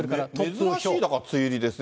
珍しいだから梅雨入りですね。